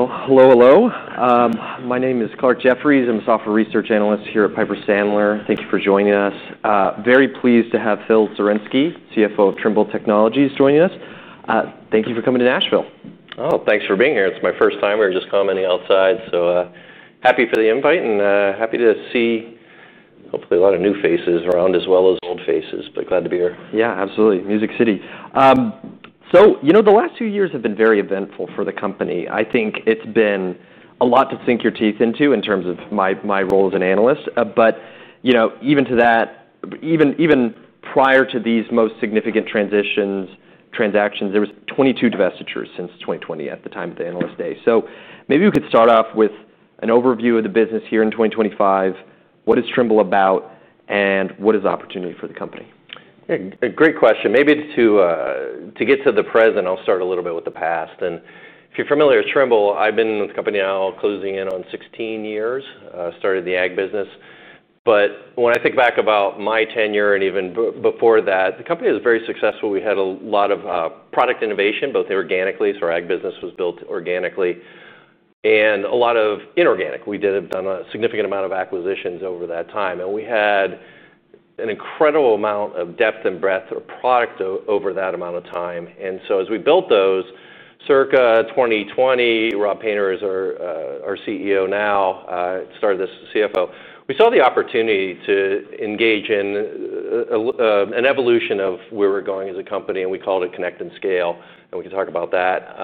Hello, hello. My name is Clarke Jeffries. I'm a software research analyst here at Piper Sandler. Thank you for joining us. Very pleased to have Phil Sawarynski, CFO of Trimble Inc., joining us. Thank you for coming to Nashville. Oh, thanks for being here. It's my first time. We were just commenting outside. Happy for the invite and happy to see, hopefully, a lot of new faces around as well as old faces, but glad to be here. Yeah, absolutely. Music City. The last two years have been very eventful for the company. I think it's been a lot to sink your teeth into in terms of my role as an analyst. Even prior to these most significant transitions, transactions, there were 22 divestitures since 2020 at the time of the analyst day. Maybe we could start off with an overview of the business here in 2025. What is Trimble about and what is the opportunity for the company? Yeah, great question. Maybe to get to the present, I'll start a little bit with the past. If you're familiar with Trimble, I've been with the company now closing in on 16 years. I started the ag business. When I think back about my tenure and even before that, the company was very successful. We had a lot of product innovation, both organically, so our ag business was built organically, and a lot of inorganic. We did a significant amount of acquisitions over that time. We had an incredible amount of depth and breadth of product over that amount of time. As we built those, circa 2020, Rob Painter is our CEO now, started as CFO. We saw the opportunity to engage in an evolution of where we're going as a company, and we called it Connect and Scale. We can talk about that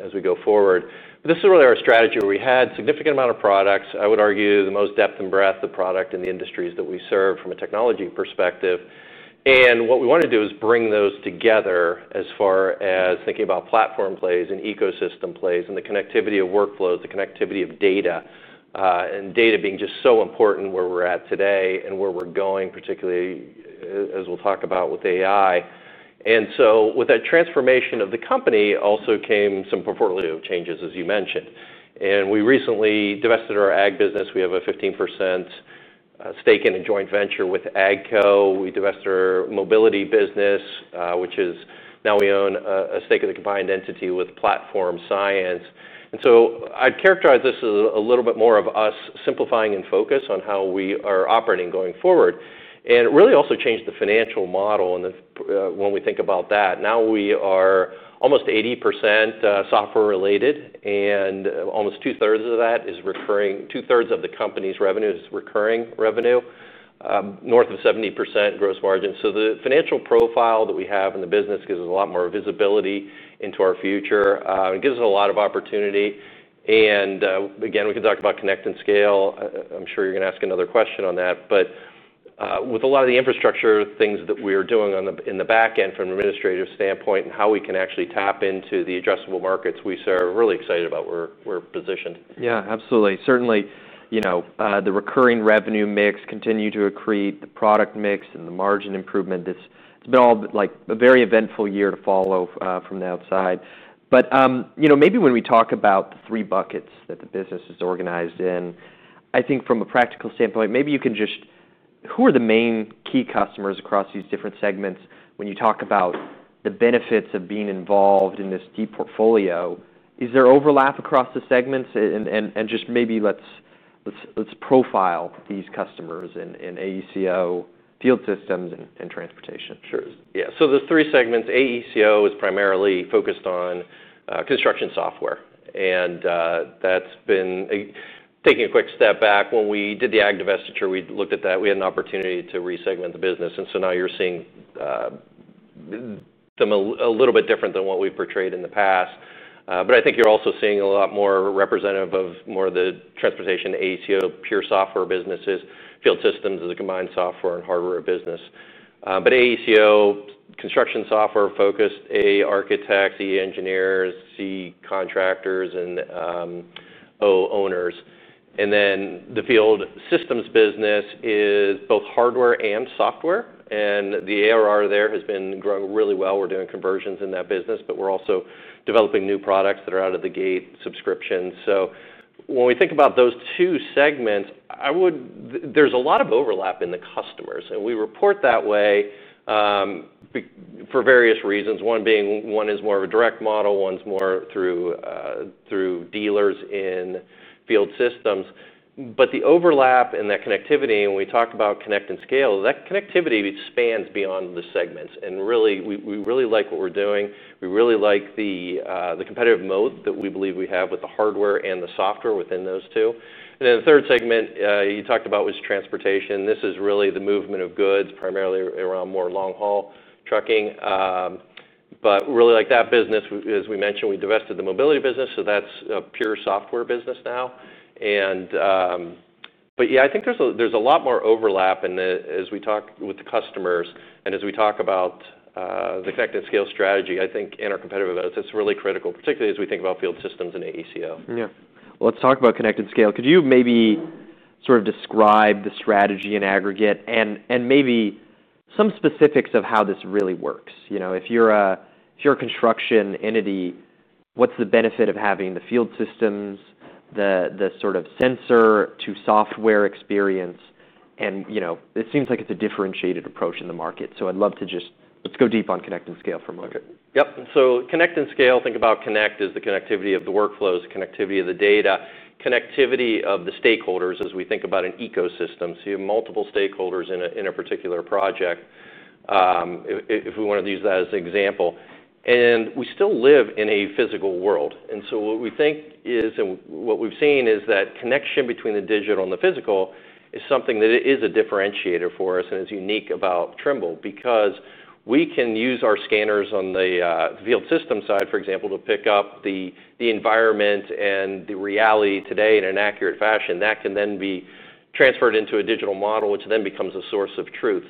as we go forward. This is really our strategy where we had a significant amount of products. I would argue the most depth and breadth of product in the industries that we serve from a technology perspective. What we want to do is bring those together as far as thinking about platform plays and ecosystem plays and the connectivity of workflows, the connectivity of data, and data being just so important where we're at today and where we're going, particularly as we'll talk about with AI. With that transformation of the company also came some portfolio changes, as you mentioned. We recently divested our ag business. We have a 15% stake in a joint venture with AGCO Corporation. We divested our mobility business, which is now we own a stake of the combined entity with Platform Science. I'd characterize this as a little bit more of us simplifying and focus on how we are operating going forward. It really also changed the financial model. When we think about that, now we are almost 80% software related, and almost 2/3 of that is referring to 2/3 of the company's revenue is recurring revenue, north of 70% gross margin. The financial profile that we have in the business gives us a lot more visibility into our future. It gives us a lot of opportunity. We can talk about Connect and Scale. I'm sure you're going to ask another question on that. With a lot of the infrastructure things that we are doing in the back end from an administrative standpoint and how we can actually tap into the addressable markets we serve, we're really excited about where we're positioned. Yeah, absolutely. Certainly, you know, the recurring revenue mix continued to accrete, the product mix and the margin improvement. It's been all like a very eventful year to follow from the outside. Maybe when we talk about the three buckets that the business is organized in, I think from a practical standpoint, maybe you can just, who are the main key customers across these different segments? When you talk about the benefits of being involved in this deep portfolio, is there overlap across the segments? Just maybe let's profile these customers in AECO, field systems, and transportation. Sure. Yeah. The three segments, AECO is primarily focused on construction software. That's been, taking a quick step back, when we did the ag divestiture, we looked at that. We had an opportunity to resegment the business. Now you're seeing them a little bit different than what we've portrayed in the past. I think you're also seeing a lot more representative of more of the transportation, AECO, pure software businesses, field systems as a combined software and hardware business. AECO, construction software focused, A, architects, E, engineers, C, contractors, and O, owners. The field systems business is both hardware and software. The ARR there has been growing really well. We're doing conversions in that business, but we're also developing new products that are out of the gate subscriptions. When we think about those two segments, there's a lot of overlap in the customers. We report that way for various reasons. One being, one is more of a direct model, one's more through dealers in field systems. The overlap and that connectivity, and when we talk about Connect and Scale, that connectivity spans beyond the segments. We really like what we're doing. We really like the competitive mode that we believe we have with the hardware and the software within those two. The third segment you talked about was transportation. This is really the movement of goods, primarily around more long-haul trucking. We really like that business. As we mentioned, we divested the mobility business. That's a pure software business now. I think there's a lot more overlap. As we talk with the customers and as we talk about the Connect and Scale strategy, I think in our competitive events, that's really critical, particularly as we think about field systems and AECO. Yeah. Let's talk about Connect and Scale. Could you maybe sort of describe the strategy in aggregate and maybe some specifics of how this really works? If you're a construction entity, what's the benefit of having the field systems, the sort of sensor to software experience? It seems like it's a differentiated approach in the market. I'd love to just go deep on Connect and Scale for a moment. Yep. Connect and Scale, think about Connect as the connectivity of the workflows, connectivity of the data, connectivity of the stakeholders as we think about an ecosystem. You have multiple stakeholders in a particular project, if we want to use that as an example. We still live in a physical world. What we think is, and what we've seen is that connection between the digital and the physical is something that is a differentiator for us and is unique about Trimble because we can use our scanners on the field system side, for example, to pick up the environment and the reality today in an accurate fashion. That can then be transferred into a digital model, which then becomes a source of truth.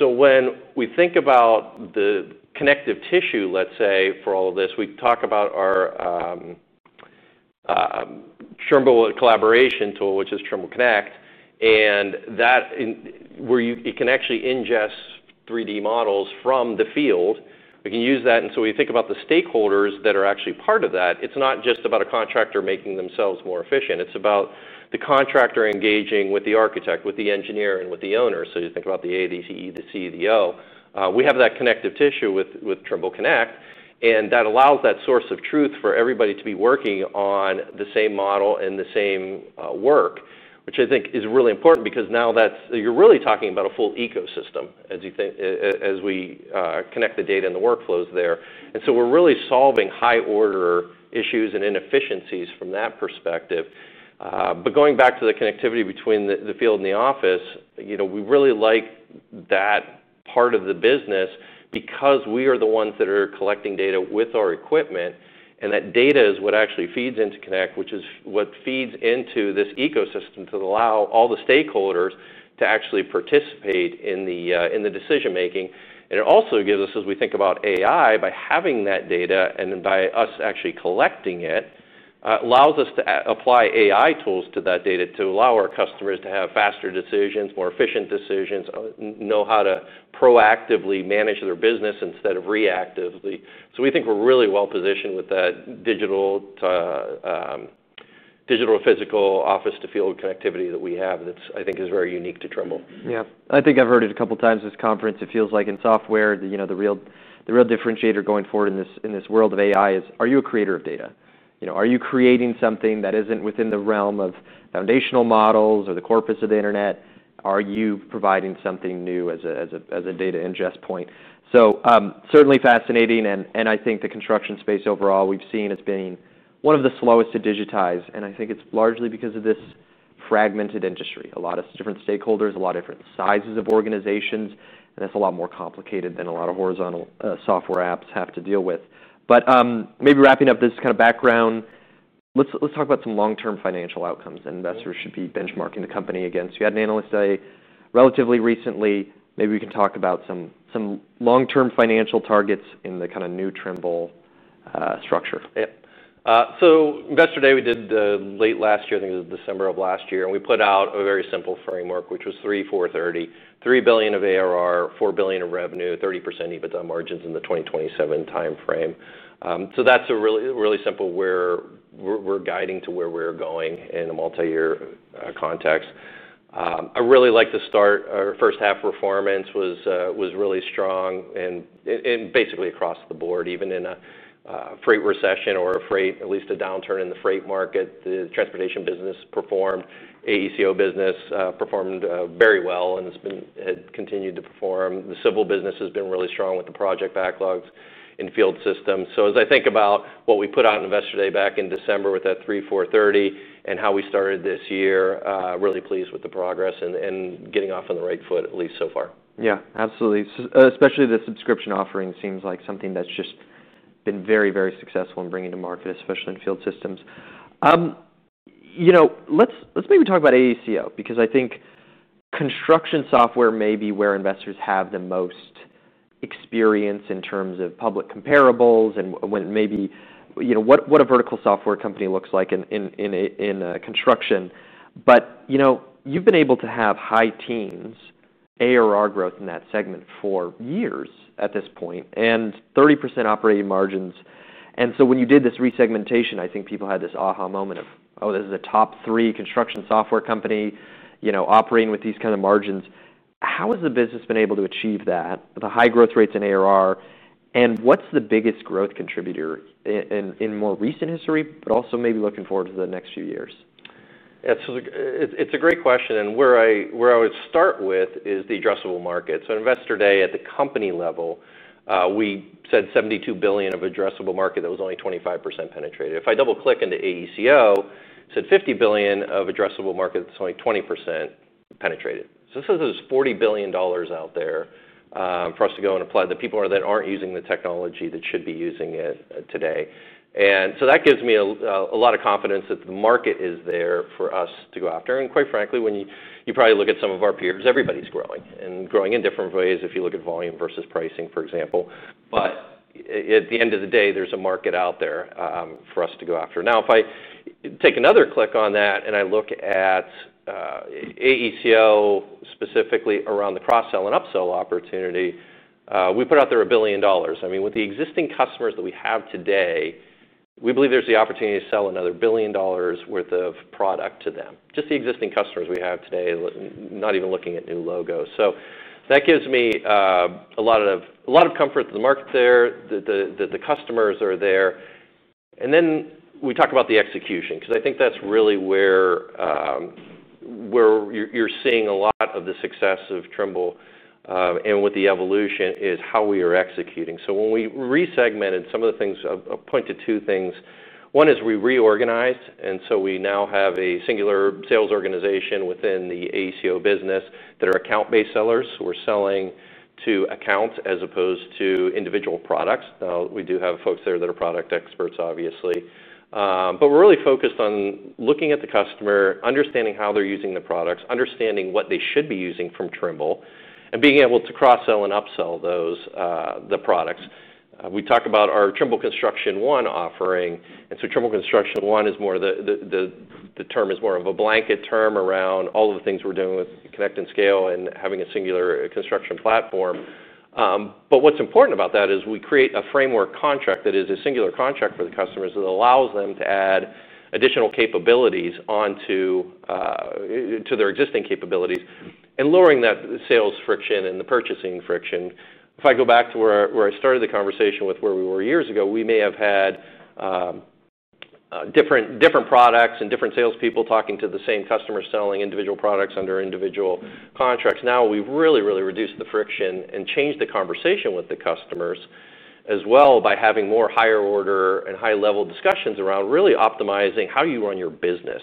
When we think about the connective tissue, let's say, for all of this, we talk about our Trimble collaboration tool, which is Trimble Connect. That, where you can actually ingest 3D models from the field, we can use that. When you think about the stakeholders that are actually part of that, it's not just about a contractor making themselves more efficient. It's about the contractor engaging with the architect, with the engineer, and with the owner. You think about the A, the E, the C, the O. We have that connective tissue with Trimble Connect. That allows that source of truth for everybody to be working on the same model and the same work, which I think is really important because now you're really talking about a full ecosystem as you think, as we connect the data and the workflows there. We're really solving high-order issues and inefficiencies from that perspective. Going back to the connectivity between the field and the office, we really like that part of the business because we are the ones that are collecting data with our equipment. That data is what actually feeds into Connect, which is what feeds into this ecosystem to allow all the stakeholders to actually participate in the decision-making. It also gives us, as we think about AI, by having that data and by us actually collecting it, it allows us to apply AI tools to that data to allow our customers to have faster decisions, more efficient decisions, know how to proactively manage their business instead of reactively. We think we're really well positioned with that digital to digital physical office-to-field connectivity that we have that I think is very unique to Trimble. Yeah. I think I've heard it a couple of times at this conference. It feels like in software, the real differentiator going forward in this world of AI is, are you a creator of data? You know, are you creating something that isn't within the realm of foundational models or the corpus of the internet? Are you providing something new as a data ingest point? Certainly fascinating. I think the construction space overall, we've seen it's been one of the slowest to digitize. I think it's largely because of this fragmented industry, a lot of different stakeholders, a lot of different sizes of organizations. It's a lot more complicated than a lot of horizontal software apps have to deal with. Maybe wrapping up this kind of background, let's talk about some long-term financial outcomes investors should be benchmarking the company against. You had an analyst say relatively recently, maybe we can talk about some long-term financial targets in the kind of new Trimble structure. Yep. Investor Day, we did late last year, I think it was December of last year. We put out a very simple framework, which was 3, 4, 30: $3 billion of ARR, $4 billion of revenue, 30% EBITDA margins in the 2027 timeframe. That's a really, really simple where we're guiding to where we're going in a multi-year context. I really like to start our first half performance was really strong and basically across the board, even in a freight recession or a freight, at least a downturn in the freight market, the transportation business performed, AECO business performed very well, and it's been continued to perform. The civil business has been really strong with the project backlogs in field systems. As I think about what we put out on Investor Day back in December with that 3, 4, 30, and how we started this year, really pleased with the progress and getting off on the right foot, at least so far. Yeah, absolutely. Especially the subscription offering seems like something that's just been very, very successful in bringing to market, especially in field systems. Let's maybe talk about AECO because I think construction software may be where investors have the most experience in terms of public comparables and maybe what a vertical software company looks like in construction. You've been able to have high teens ARR growth in that segment for years at this point, and 30% operating margins. When you did this resegmentation, I think people had this aha moment of, oh, this is a top three construction software company, operating with these kinds of margins. How has the business been able to achieve that, the high growth rates in ARR, and what's the biggest growth contributor in more recent history, but also maybe looking forward to the next few years? Yeah, it's a great question. Where I would start with is the addressable market. On Investor Day at the company level, we said $72 billion of addressable market that was only 25% penetrated. If I double click into AECO, it said $50 billion of addressable market that's only 20% penetrated. This is $40 billion out there for us to go and apply to the people that aren't using the technology that should be using it today. That gives me a lot of confidence that the market is there for us to go after. Quite frankly, when you probably look at some of our peers, everybody's growing and growing in different ways. If you look at volume versus pricing, for example, at the end of the day, there's a market out there for us to go after. If I take another click on that and I look at AECO specifically around the cross-sell and upsell opportunity, we put out there a billion dollars. With the existing customers that we have today, we believe there's the opportunity to sell another billion dollars worth of product to them. Just the existing customers we have today, not even looking at new logos. That gives me a lot of comfort that the market's there, that the customers are there. We talk about the execution, because I think that's really where you're seeing a lot of the success of Trimble and with the evolution is how we are executing. When we resegmented, some of the things, I'll point to two things. One is we reorganized, and we now have a singular sales organization within the AECO business that are account-based sellers. We're selling to accounts as opposed to individual products. We do have folks there that are product experts, obviously, but we're really focused on looking at the customer, understanding how they're using the products, understanding what they should be using from Trimble, and being able to cross-sell and upsell those products. We talk about our Trimble Construction One offering. Trimble Construction One is more of a blanket term around all of the things we're doing with Connect and Scale and having a singular construction platform. What's important about that is we create a framework contract that is a singular contract for the customers that allows them to add additional capabilities onto their existing capabilities and lowering that sales friction and the purchasing friction. If I go back to where I started the conversation with where we were years ago, we may have had different products and different salespeople talking to the same customer, selling individual products under individual contracts. Now, we've really, really reduced the friction and changed the conversation with the customers as well by having more higher order and high-level discussions around really optimizing how you run your business.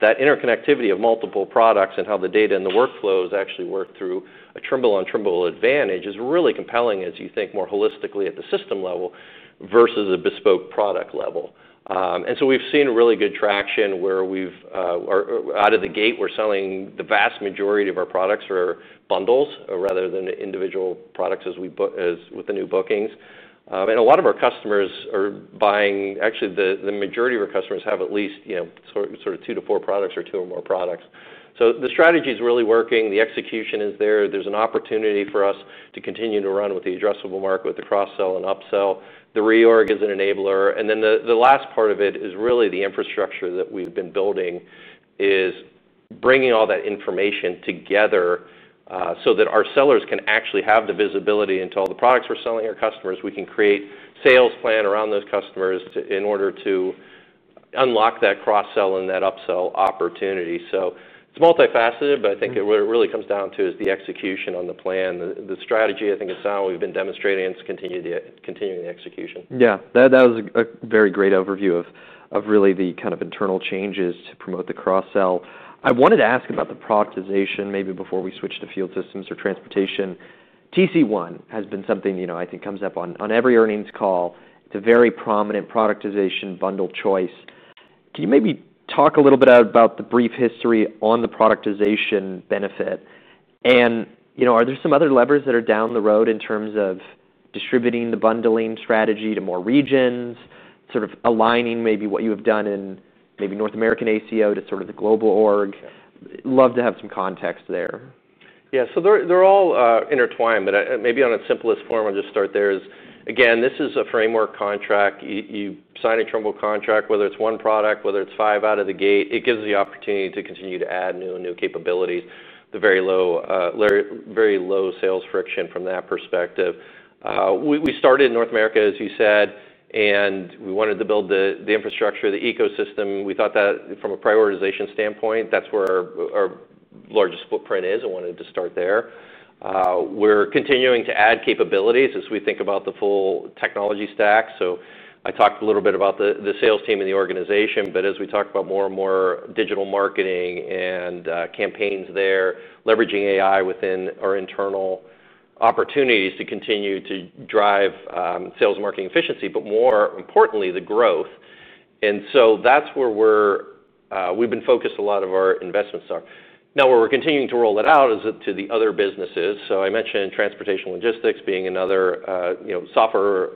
That interconnectivity of multiple products and how the data and the workflows actually work through a Trimble on Trimble advantage is really compelling as you think more holistically at the system level versus a bespoke product level. We've seen really good traction where we've, out of the gate, we're selling the vast majority of our products or bundles rather than individual products as with the new bookings. A lot of our customers are buying, actually, the majority of our customers have at least, you know, sort of two to four products or two or more products. The strategy is really working. The execution is there. There's an opportunity for us to continue to run with the addressable market with the cross-sell and upsell. The reorg is an enabler. The last part of it is really the infrastructure that we've been building is bringing all that information together so that our sellers can actually have the visibility into all the products we're selling our customers. We can create a sales plan around those customers in order to unlock that cross-sell and that upsell opportunity. It's multifaceted, but I think what it really comes down to is the execution on the plan, the strategy, I think it's not what we've been demonstrating, and it's continuing the execution. Yeah, that was a very great overview of really the kind of internal changes to promote the cross-sell. I wanted to ask about the productization maybe before we switch to field systems or transportation. Trimble Construction One (TC1) has been something, you know, I think comes up on every earnings call. It's a very prominent productization bundle choice. Can you maybe talk a little bit about the brief history on the productization benefit? You know, are there some other levers that are down the road in terms of distributing the bundling strategy to more regions, sort of aligning maybe what you have done in maybe North American AECO to sort of the global org? Love to have some context there. Yeah, so they're all intertwined. Maybe on its simplest form, I'll just start there. Again, this is a framework contract. You sign a Trimble contract, whether it's one product, whether it's five out of the gate, it gives the opportunity to continue to add new and new capabilities, with very low sales friction from that perspective. We started in North America, as you said, and we wanted to build the infrastructure, the ecosystem. We thought that from a prioritization standpoint, that's where our largest footprint is and wanted to start there. We're continuing to add capabilities as we think about the full technology stack. I talked a little bit about the sales team in the organization, but as we talk about more and more digital marketing and campaigns there, leveraging AI within our internal opportunities to continue to drive sales and marketing efficiency, more importantly, the growth. That's where we've been focused, a lot of our investments are. Now, where we're continuing to roll it out is to the other businesses. I mentioned transportation logistics being another software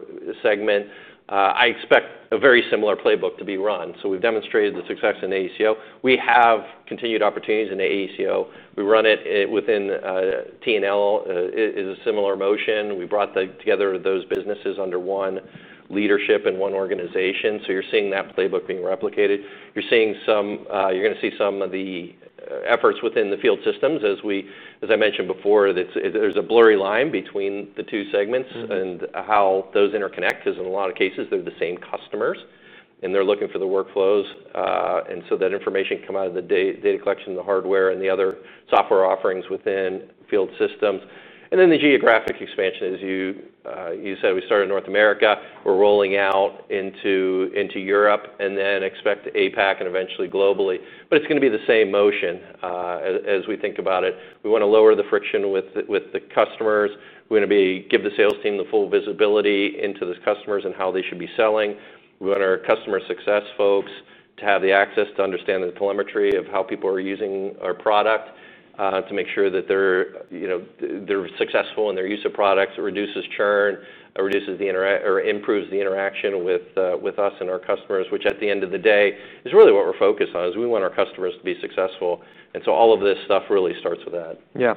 segment. I expect a very similar playbook to be run. We've demonstrated the success in AECO. We have continued opportunities in AECO. We run it within TNL. It is a similar motion. We brought together those businesses under one leadership and one organization. You're seeing that playbook being replicated. You're going to see some of the efforts within the field systems. As I mentioned before, there's a blurry line between the two segments and how those interconnect, because in a lot of cases, they're the same customers and they're looking for the workflows. That information can come out of the data collection, the hardware, and the other software offerings within field systems. Then the geographic expansion, as you said, we started in North America. We're rolling out into Europe and then expect APAC and eventually globally. It's going to be the same motion as we think about it. We want to lower the friction with the customers. We're going to give the sales team the full visibility into these customers and how they should be selling. We want our customer success folks to have the access to understand the telemetry of how people are using our product to make sure that they're successful in their use of products. It reduces churn, it improves the interaction with us and our customers, which at the end of the day is really what we're focused on, is we want our customers to be successful. All of this stuff really starts with that. Yeah.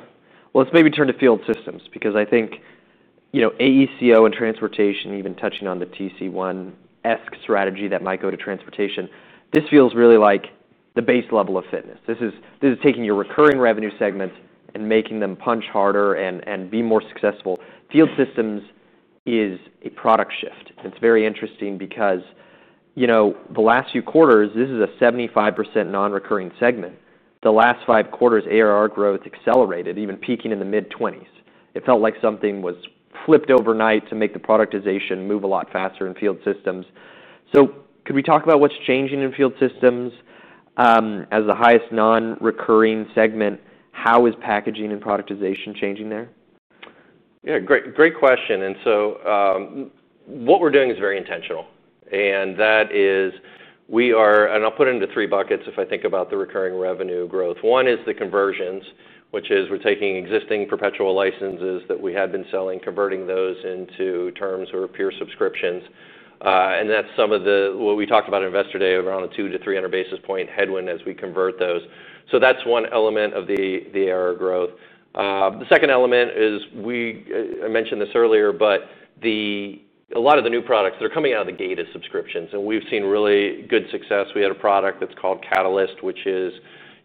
Let's maybe turn to field systems because I think, you know, AECO and transportation, even touching on the TC1-esque strategy that might go to transportation, this feels really like the base level of fitness. This is taking your recurring revenue segments and making them punch harder and be more successful. Field systems is a product shift. It's very interesting because, you know, the last few quarters, this is a 75% non-recurring segment. The last five quarters, ARR growth accelerated, even peaking in the mid-20s. It felt like something was flipped overnight to make the productization move a lot faster in field systems. Could we talk about what's changing in field systems as the highest non-recurring segment? How is packaging and productization changing there? Yeah, great question. What we're doing is very intentional. That is, we are, and I'll put it into three buckets if I think about the recurring revenue growth. One is the conversions, which is we're taking existing perpetual licenses that we had been selling, converting those into terms or pure subscriptions. That's some of what we talked about on Investor Day. We're on a 200 to 300 basis point headwind as we convert those. That's one element of the ARR growth. The second element is, I mentioned this earlier, but a lot of the new products that are coming out of the gate as subscriptions, and we've seen really good success. We had a product that's called Catalyst GNSS subscription, which is,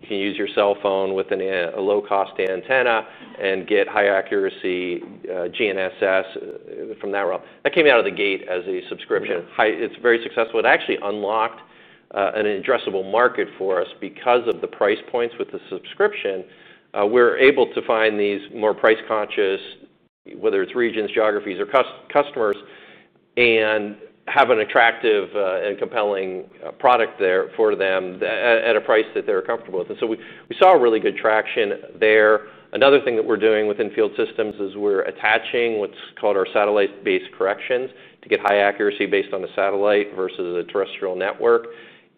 you can use your cell phone with a low-cost antenna and get high accuracy GNSS from that realm. That came out of the gate as a subscription. It's very successful. It actually unlocked an addressable market for us because of the price points with the subscription. We're able to find these more price-conscious, whether it's regions, geographies, or customers, and have an attractive and compelling product there for them at a price that they're comfortable with. We saw really good traction there. Another thing that we're doing within field systems is we're attaching what's called our satellite-based corrections to get high accuracy based on the satellite versus a terrestrial network.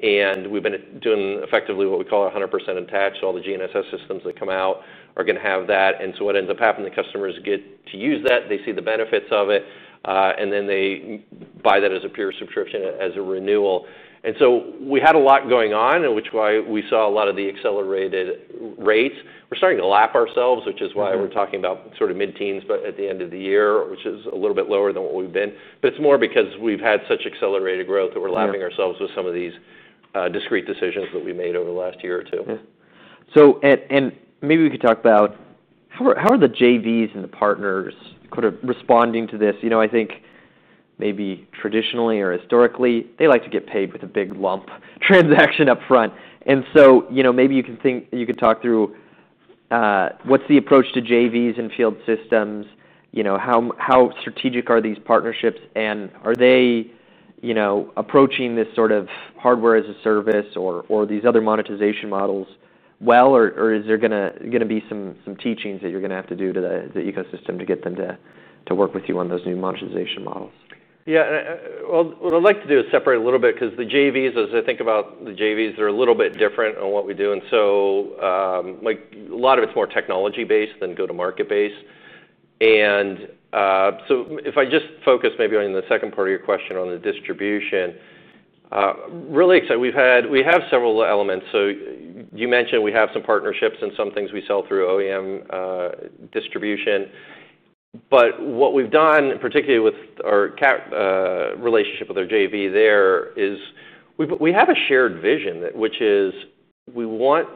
We've been doing effectively what we call 100% attached. All the GNSS systems that come out are going to have that. What ends up happening, the customers get to use that. They see the benefits of it. They buy that as a pure subscription as a renewal. We had a lot going on, in which way we saw a lot of the accelerated rates. We're starting to lap ourselves, which is why we're talking about sort of mid-teens, but at the end of the year, which is a little bit lower than what we've been. It's more because we've had such accelerated growth that we're lapping ourselves with some of these discrete decisions that we made over the last year or two. Yeah. Maybe we could talk about how are the JVs and the partners kind of responding to this? I think maybe traditionally or historically, they like to get paid with a big lump transaction up front. You know, maybe you can think, you could talk through what's the approach to JVs and field systems? How strategic are these partnerships? Are they, you know, approaching this sort of hardware as a service or these other monetization models well? Is there going to be some teachings that you're going to have to do to the ecosystem to get them to work with you on those new monetization models? Yeah, what I'd like to do is separate a little bit because the JVs, as I think about the JVs, they're a little bit different on what we do. A lot of it's more technology-based than go-to-market-based. If I just focus maybe on the second part of your question on the distribution, really excited. We have several elements. You mentioned we have some partnerships and some things we sell through OEM distribution. What we've done, particularly with our relationship with our JV there, is we have a shared vision, which is we want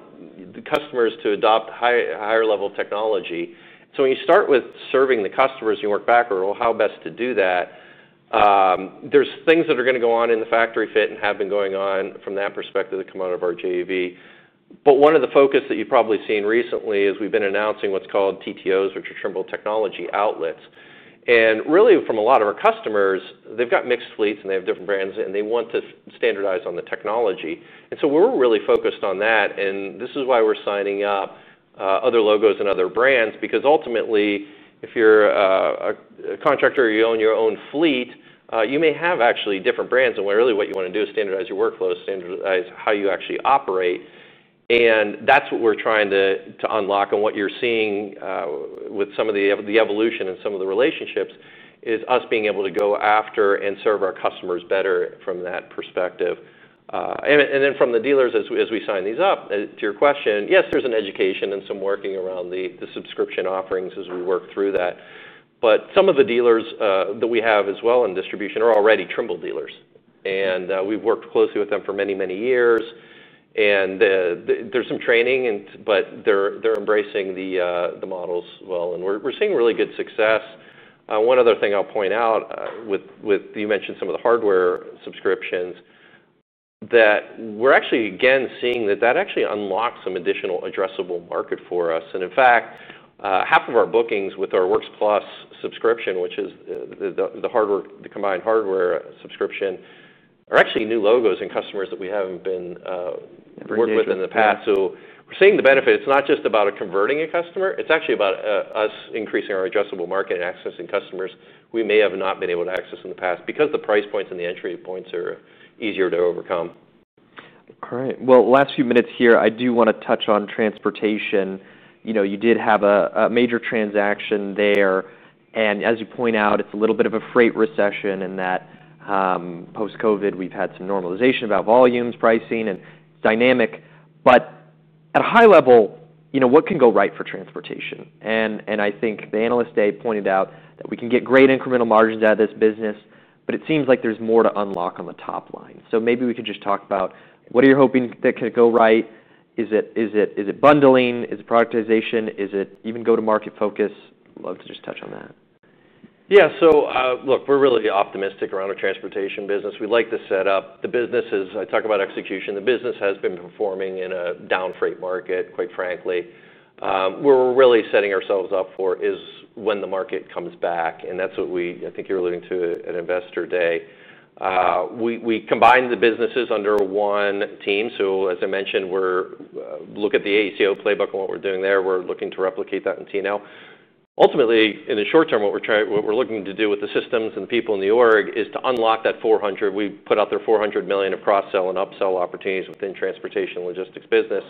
the customers to adopt higher-level technology. When you start with serving the customers, you work backward, how best to do that? There are things that are going to go on in the factory fit and have been going on from that perspective that come out of our JV. One of the focuses that you've probably seen recently is we've been announcing what's called TTOs, which are Trimble Technology Outlets. Really, from a lot of our customers, they've got mixed fleets and they have different brands and they want to standardize on the technology. We're really focused on that. This is why we're signing up other logos and other brands, because ultimately, if you're a contractor, you own your own fleet, you may have actually different brands. What you want to do is standardize your workflows, standardize how you actually operate. That's what we're trying to unlock. What you're seeing with some of the evolution and some of the relationships is us being able to go after and serve our customers better from that perspective. From the dealers, as we sign these up, to your question, yes, there's an education and some working around the subscription offerings as we work through that. Some of the dealers that we have as well in distribution are already Trimble dealers. We've worked closely with them for many, many years. There's some training, but they're embracing the models well. We're seeing really good success. One other thing I'll point out, you mentioned some of the hardware subscriptions that we're actually, again, seeing that that actually unlocks some additional addressable market for us. In fact, half of our bookings with our WorksPlus subscription, which is the combined hardware subscription, are actually new logos and customers that we haven't been working with in the past. We're seeing the benefit. It's not just about converting a customer. It's actually about us increasing our addressable market and accessing customers we may have not been able to access in the past because the price points and the entry points are easier to overcome. All right. Last few minutes here, I do want to touch on transportation. You did have a major transaction there. As you point out, it's a little bit of a freight recession in that post-COVID, we've had some normalization about volumes, pricing, and it's dynamic. At a high level, what can go right for transportation? I think the analysts today pointed out that we can get great incremental margins out of this business, but it seems like there's more to unlock on the top line. Maybe we can just talk about what you're hoping that could go right. Is it bundling? Is it productization? Is it even go-to-market focus? Love to just touch on that. Yeah, so look, we're really optimistic around our transportation business. We like the setup. The business is, I talk about execution, the business has been performing in a down freight market, quite frankly. Where we're really setting ourselves up for is when the market comes back. That's what we, I think you're alluding to at Investor Day. We combine the businesses under one team. As I mentioned, we look at the AECO playbook and what we're doing there. We're looking to replicate that in TNL. Ultimately, in the short term, what we're looking to do with the systems and the people in the organization is to unlock that $400 million. We put out there $400 million of cross-sell and upsell opportunities within the transportation logistics business.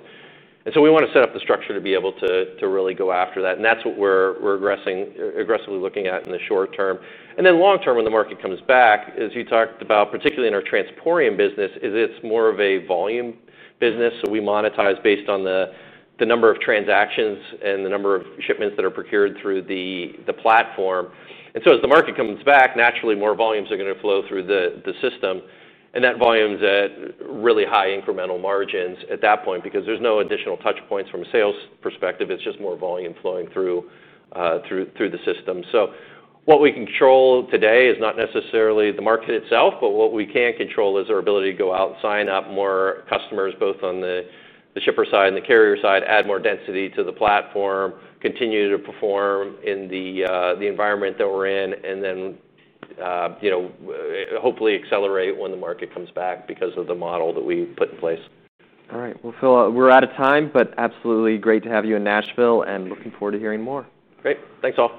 We want to set up the structure to be able to really go after that. That's what we're aggressively looking at in the short term. In the long term, when the market comes back, as you talked about, particularly in our transport business, it's more of a volume business. We monetize based on the number of transactions and the number of shipments that are procured through the platform. As the market comes back, naturally, more volumes are going to flow through the system. That volume is at really high incremental margins at that point because there's no additional touch points from a sales perspective. It's just more volume flowing through the system. What we control today is not necessarily the market itself, but what we can control is our ability to go out and sign up more customers, both on the shipper side and the carrier side, add more density to the platform, continue to perform in the environment that we're in, and then, you know, hopefully accelerate when the market comes back because of the model that we put in place. All right. Phil, we're out of time, but absolutely great to have you in Nashville and looking forward to hearing more. Great. Thanks, all.